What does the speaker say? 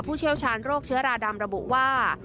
เชี่ยวชาญโรคเชื้อราดำระบุว่า